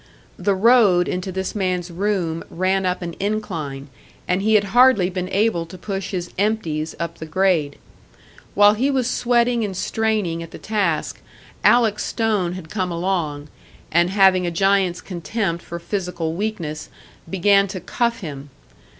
The road into this man's room ran up an incline, and he had hardly been able to push his "empties" up the grade. While he was sweating and straining at the task, Alec Stone had come along, and having a giant's contempt for physical weakness, began to cuff him.